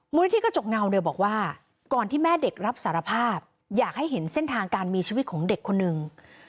มูลนิธิกระจกเงาเนี่ยบอกว่าก่อนที่แม่เด็กรับสารภาพอยากให้เห็นเส้นทางการมีชีวิตของเด็กคนหนึ่ง